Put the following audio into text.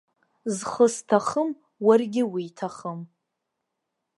Зхы зҭахым уаргьы уиҭахым!